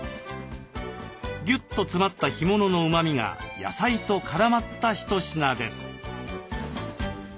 ぎゅっと詰まった干物のうまみが野菜と絡まった一品です。